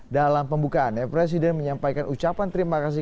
dalam pembukaannya presiden menyampaikan ucapan terima kasih